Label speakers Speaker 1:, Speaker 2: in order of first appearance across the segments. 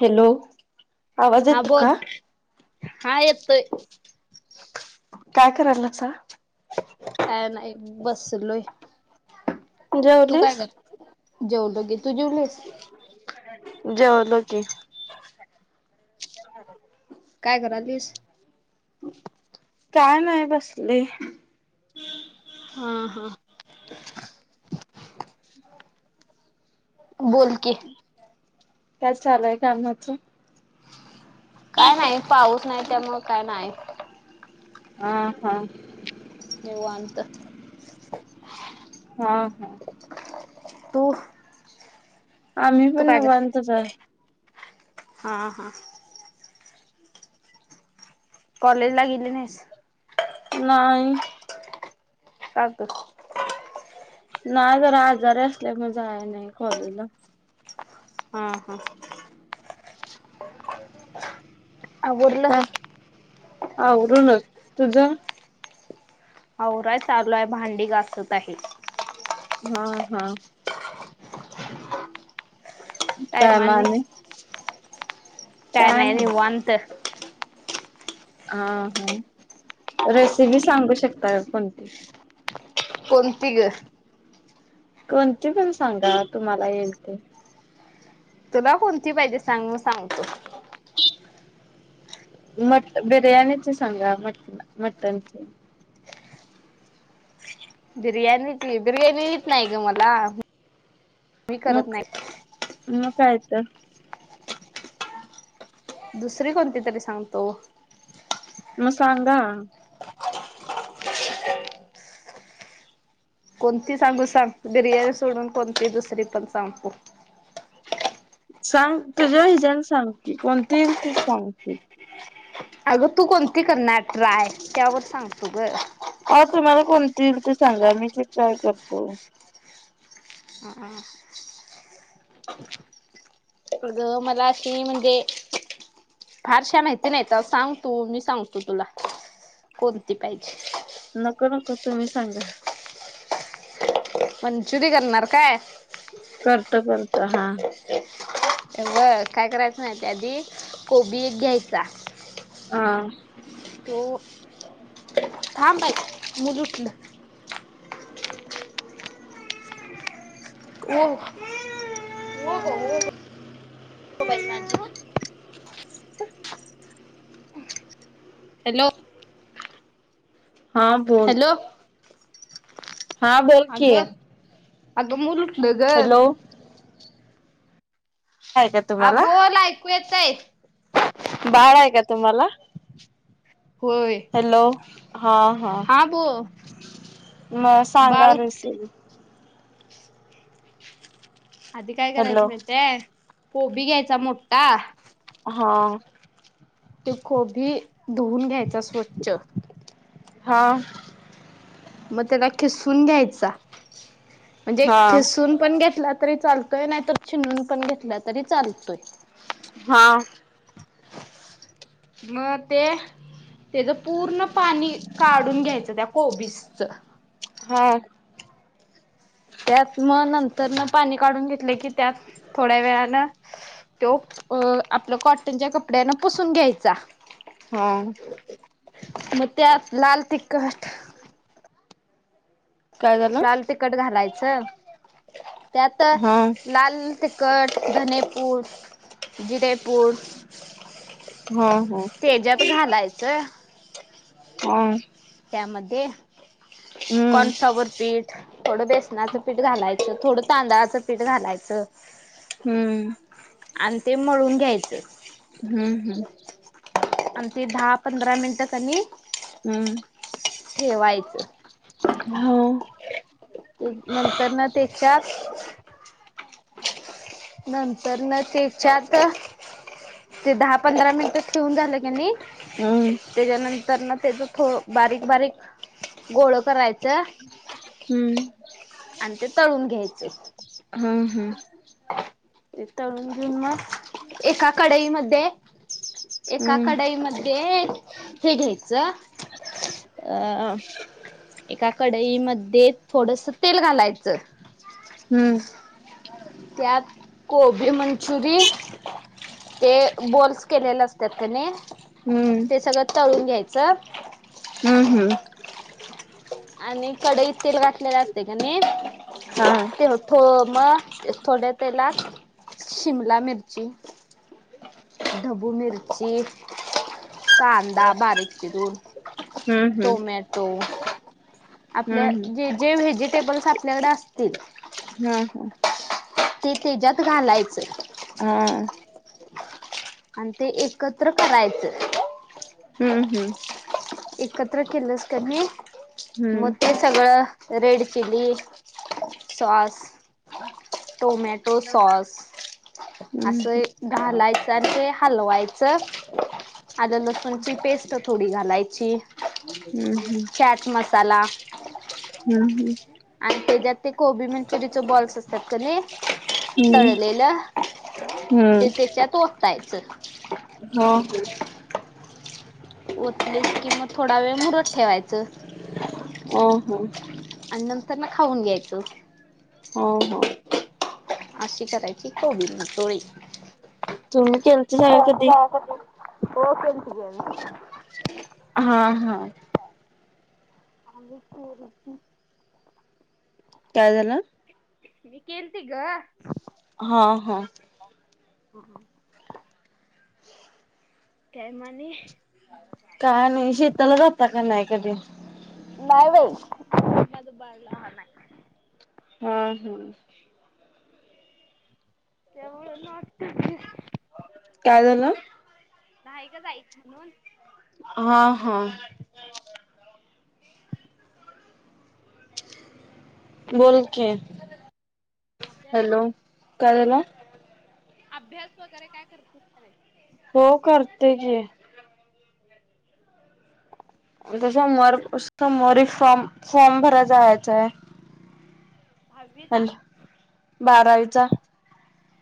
Speaker 1: Hello आवाज
Speaker 2: आ
Speaker 1: येतो
Speaker 2: बोत
Speaker 1: का
Speaker 2: हा येत
Speaker 1: काय करल च
Speaker 2: काय नाही बसलोय
Speaker 1: जेवलीस
Speaker 2: जेऊ बगे तू जेऊलास
Speaker 1: जव लोक
Speaker 2: काय करालीस
Speaker 1: काय नाही बसले
Speaker 2: हा हा बोल के
Speaker 1: काय चालय कामाचं
Speaker 2: काय नाही पाऊस नाही त्यामु काय नाही
Speaker 1: हह हा
Speaker 2: नव अंत
Speaker 1: हा हा
Speaker 2: तु
Speaker 1: आम्ही पण निवांतच
Speaker 2: हा हा कॉलेज ला गेले नाहीस
Speaker 1: नाही
Speaker 2: अ
Speaker 1: नाही जरा आजारी असल्या मजा नाही खलला
Speaker 2: हम्म हम्
Speaker 1: [inaudible]
Speaker 2: अरला
Speaker 1: काय आवरूनच तुझं?
Speaker 2: आवराय चालू आहे भांडी घासत आहे.
Speaker 1: हा हा. काय मग
Speaker 2: टायमाने
Speaker 1: आणि?
Speaker 2: काय नाही निवांत.
Speaker 1: हा हा रेसिपी सांगू शकता का कोणती?
Speaker 2: कोणती ग?
Speaker 1: कोणते पण सांगा तुम्हाला येईल ते.
Speaker 2: तुला कोणती पाहिजे सांग सांगतो?
Speaker 1: मटण बिर्याणीचे सांगा मटण मटणच.
Speaker 2: बिर्याणी बिर्याणीच येत नाही ग मला. मी करत
Speaker 1: मग
Speaker 2: नाही
Speaker 1: मग काय? का [unintelligible]
Speaker 2: दुसरी कोणती तरी सांगतो?
Speaker 1: मग सांगा?
Speaker 2: कोणती सांगू सांग बिर्याणी सोडून कोणती दुसरी पण सांग?
Speaker 1: सांग तुझ्या हिजने सांगते कोणती येईल ती सांग तु.
Speaker 2: आग तु कोणती कोणती करणार ट्राय त्यावर सांगतो ग.
Speaker 1: ती येईल ती सांगा मी ते ट्राय करतो.
Speaker 2: अग मला अशी म्हणजे फारशा माहिती नाही तर सांग तु मी सांगतो तुला कोणती पाहिजे?
Speaker 1: नको नको तुम्ही सांगा.
Speaker 2: मंचुरी करणार काय?
Speaker 1: करतो करतो हा.
Speaker 2: बरं काय करायचं माहिती आधी कोबी एक घ्यायचा.
Speaker 1: हा.
Speaker 2: त [unintelligible] थां मुजठलं हो हो हो हो. हॅलो.
Speaker 1: हा बोलोल.
Speaker 2: हॅलो
Speaker 1: हा बोल कि आहे.
Speaker 2: अग मयु बगर [unintelligible]
Speaker 1: हाय का तुम्हाला
Speaker 2: बोल ऐकू येतय
Speaker 1: बाळा आहे का? तुम्हाला
Speaker 2: होय
Speaker 1: हॅलो. हा हा मग सांगा
Speaker 2: बाळ उठ
Speaker 1: रेसिपी
Speaker 2: अधी काय
Speaker 1: हॅलो
Speaker 2: करायचं माहित? कोबी घ्यायचा मोठा
Speaker 1: हां
Speaker 2: ते कोबी धुवन घ्यायचा स्वच्छ.
Speaker 1: हां
Speaker 2: मग त्याला खिसून घ्यायचा म्हणजे
Speaker 1: हा
Speaker 2: खिसून पण घेतला त री चालतोय नाहीतर चिंगरूण पण घेतलं तरी चालतोय.
Speaker 1: हां
Speaker 2: म ते त्याच पूर्ण पाणी काढून घ्यायचं त्या कोबी च
Speaker 1: हां
Speaker 2: त्यात मग नंतरन पाणी काढून घेतलं की त्यात थोड्या वेळान तो अ आपलं कॉटनच्या कपड्यान पुसून घ्यायचा.
Speaker 1: हां
Speaker 2: म त्यात लाल तिखट
Speaker 1: काय झालं
Speaker 2: लाल तिखट घालायचं. त्यात
Speaker 1: हा
Speaker 2: लाल तिखट धनेपूड जिरेपूर
Speaker 1: हो हो
Speaker 2: तेज्यात घालायचं
Speaker 1: हां
Speaker 2: त्यामध्ये कॉर्नफ्लावर पीठ थोडं बेसनाचं पीठ घालायचं थोडं तांदळाचं पीठ घालायचं
Speaker 1: हम्म
Speaker 2: आणि ते मळून घ्याय च
Speaker 1: हम्म हम्म
Speaker 2: आणि ते दहा पंधरा मिनिटं कनी
Speaker 1: हम्म
Speaker 2: ठेवायचं [inaudible]
Speaker 1: हो
Speaker 2: ते नंतरन त्याच्यात नंतरन त्याच्यात ते दहा पंधरा मिनिट ठेऊून झालं कनी
Speaker 1: हम्म
Speaker 2: त्याच्यानंतर ना त्याच थोड बारीक बारीक गोळ कराय
Speaker 1: [inaudible] हम्म
Speaker 2: आणि ते तळून घ्यायचे
Speaker 1: हम्म हम्म
Speaker 2: ते तळून मग एका कडाईमध्ये एका
Speaker 1: हम्म
Speaker 2: कढाईमध्ये हे घ्यायचं अ एका कडईमध्ये थोडस तेल घालायचं
Speaker 1: हम्म
Speaker 2: त्यात कोबी मंचुरी ते बोल्स केलेले असतात की नाय ते सगळं तळून घ्यायचं च
Speaker 1: हम्म हम्म
Speaker 2: आणि कडईत तेल घातलेलं असते का नाही
Speaker 1: हा
Speaker 2: ते मग थोड्या तेलात शिमला मिरची- ची. ढब्बू मिरची, कांदा, बारीक चिरून,
Speaker 1: हम्म हम्म
Speaker 2: टोमॅटो, आपल्या
Speaker 1: हम्म
Speaker 2: जे जे व्हेजि टेबल्स आपल्याकडे असतील
Speaker 1: हम. हम.
Speaker 2: ते त्याच्यात घालायचं.
Speaker 1: हा
Speaker 2: आणि ते एकत्र करायचं.
Speaker 1: हम्म. हम्म.
Speaker 2: एकत्र केलंस की नाय- मग ते सगळं red chilli- sauce- tomato sauce
Speaker 1: हम्म हम्म
Speaker 2: असं घालायचं आणि ते हलवायचं आलं लसूणची पेस्ट थोडी घालायची, ची
Speaker 1: हम्म
Speaker 2: चाट मसाला,
Speaker 1: हम. हम.
Speaker 2: आणि त्याच्यात ते कोबी मंचुरियचे बॉल्स असतात की नई
Speaker 1: हम्म
Speaker 2: तळलेलं
Speaker 1: हम्म
Speaker 2: ते त्याच्या ओत ओतायच.
Speaker 1: हो.
Speaker 2: ओतलेस की मग थोडा वेळ मुरत ठेवायचं.
Speaker 1: हो हा.
Speaker 2: आणि नंतर ना खाऊन घ्यायचं.
Speaker 1: हो, हो.
Speaker 2: अशी करायची कोबी मंचुरी.
Speaker 1: [inaudible] [inaudible]
Speaker 2: होक त घ [unintelligible]
Speaker 1: हा, हा.
Speaker 2: आ
Speaker 1: काय झालं?
Speaker 2: न केेनतीघ [unintelligible]
Speaker 1: हा, हा,
Speaker 2: हम् ह [unintelligible] केळमाणे [unintelligible]
Speaker 1: का नाही शेताला जाता का नाही कधी?
Speaker 2: नाही बाई माझं बाळ लहान हाय.
Speaker 1: हम हम्.
Speaker 2: त्यामु नट [unintelligible]
Speaker 1: काय झालं?
Speaker 2: नाही का जाच म्हणून
Speaker 1: हा हा बोल के
Speaker 2: अभ्यास
Speaker 1: हॅलो काय झालं
Speaker 2: अभ्यास वगैरे काय करतील
Speaker 1: हो करते की त्या समोर समोर फॉर्म फॉर्म भरायचा जायचंय
Speaker 2: दहावी चा
Speaker 1: बारावीचा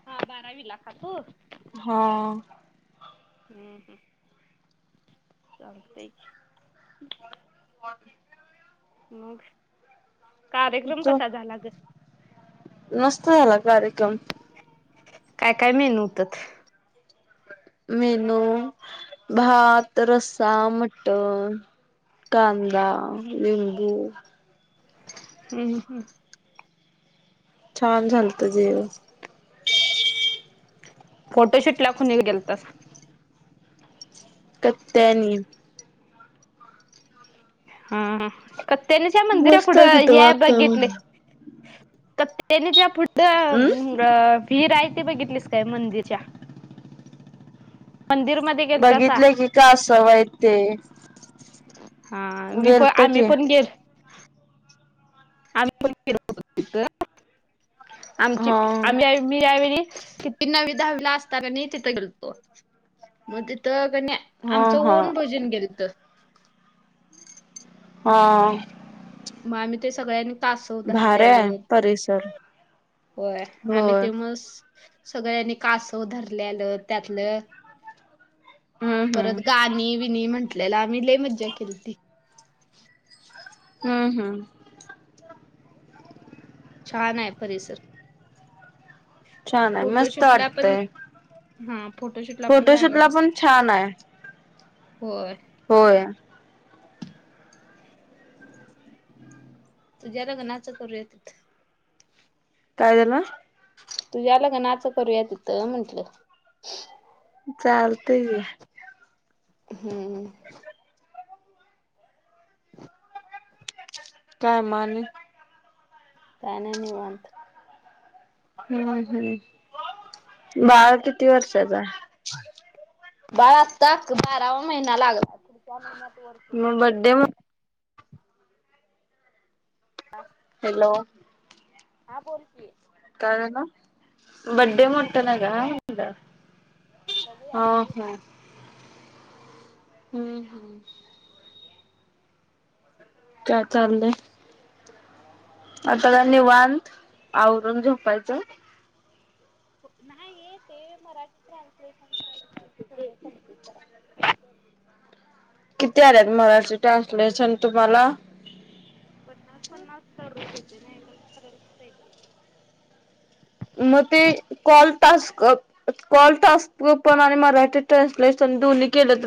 Speaker 2: हा बारावी ला का तू
Speaker 1: हा
Speaker 2: हम्म हम् चलतय की
Speaker 1: हो हो
Speaker 2: मग कार्यक्रम
Speaker 1: तो
Speaker 2: कसा झाला ग
Speaker 1: मस्त झाला कार्यक्रम
Speaker 2: काय काय मेनू होतात
Speaker 1: मेनू भात रस्साा मटर कांदा लिंबू
Speaker 2: हम्म ह् हम्म
Speaker 1: छान झालत जेवन
Speaker 2: फोटोशूट ला कोण गेलता का
Speaker 1: कत्यानी
Speaker 2: हा ह कत्यानीच्या मंदिरा
Speaker 1: मस्त आहे
Speaker 2: पुढं
Speaker 1: तिथं
Speaker 2: या बघितले
Speaker 1: वातावरण
Speaker 2: काट्यायनी च्या पुढ
Speaker 1: हम्
Speaker 2: फी राहिती बघितलीस काय मंदिर अचच्या गेलतासा
Speaker 1: बघितलंय की का असवय ते
Speaker 2: ह हा मी पण
Speaker 1: गेलत
Speaker 2: आम्ही
Speaker 1: की
Speaker 2: पण गेल आम्ही पण गेलतो तिथं. आमची
Speaker 1: हा
Speaker 2: आम्ही मी आमरी किती नवी दहावी ला असता तिथं गेलतो मग तिथं
Speaker 1: हा
Speaker 2: आमचं
Speaker 1: हा
Speaker 2: वन भजन गेलंत.
Speaker 1: हा.
Speaker 2: मग आमही ते सगळ्यांनी कासव
Speaker 1: भारी आहे
Speaker 2: धरलेलं
Speaker 1: परिसर
Speaker 2: होय आम्ही
Speaker 1: होय
Speaker 2: तेव्हाच सगळ्यांनी कासव धरल्यालं त्यातलं
Speaker 1: हम्म
Speaker 2: परत
Speaker 1: हम्म
Speaker 2: गाणी विणी म्हण टलेलं आपल्याला आम्ही लइ मज्जा केलीती.
Speaker 1: हम्म हम्म.
Speaker 2: छान आहे परीसर.
Speaker 1: छान आहे मस्त वाटतय.
Speaker 2: [unintelligible] पण
Speaker 1: फोटोशूट
Speaker 2: जागा
Speaker 1: ला
Speaker 2: कस
Speaker 1: पण छान आहे.
Speaker 2: होय.
Speaker 1: होय.
Speaker 2: त ज्याला ग नाच करूयात
Speaker 1: कायद्याल?
Speaker 2: तुझ्याला का नाच करूया तिथं म्हंटलं
Speaker 1: चालते ग.
Speaker 2: हम्.
Speaker 1: काय म आणि?
Speaker 2: काय नाही निवांत.
Speaker 1: हम्म हम्म बाळा किती वर्षाचा?
Speaker 2: बाळआता बारावा महिना लागला पुढच्या महिन्यात वर्ष
Speaker 1: मग बड्डे.
Speaker 2: ह.
Speaker 1: हॅलो.
Speaker 2: हा बोलकी.
Speaker 1: नकाय झालं? बडडे मोट ना
Speaker 2: बघूया ग बघूया
Speaker 1: हा
Speaker 2: बघूया
Speaker 1: हं. हम्म हम्म. काय चाललंय आता काय नीवांत आवरून झोपायचं.
Speaker 2: नाही ये ते मराठी ट्रान्सलेशन चालय. थोडं कम्पलीट करा.
Speaker 1: किती आलेत मराठी ट्रान्सलेशन तुम्हाला?
Speaker 2: पन्नास पन्नास दर येते नाही कस कयला कसायच ते
Speaker 1: मग ते कॉल टास्क पण कॉल टास्क पण आणि मराठी ट्रान्सलेशन दन्ही केलं